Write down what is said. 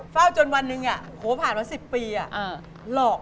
เฝ้าจนวันนึง